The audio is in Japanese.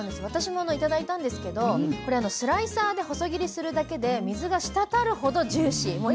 私も頂いたんですけどこれスライサーで細切りするだけで水が滴るほどジューシー。